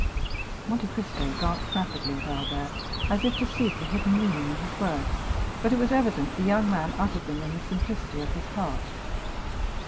20261m Monte Cristo glanced rapidly at Albert, as if to seek a hidden meaning in his words, but it was evident the young man uttered them in the simplicity of his heart.